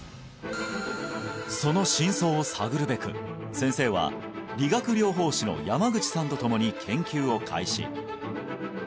その真相を探るべく先生は理学療法士の山口さんと共に研究を開始